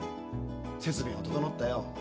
「設備の整ったよ。